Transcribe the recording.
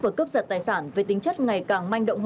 và cướp giật tài sản với tính chất ngày càng manh động hơn